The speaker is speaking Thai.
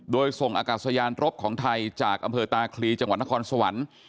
โดยส่งอากาศยานรบของไทยจากอำเภอตาคลีจังหวัดนครสวรรค์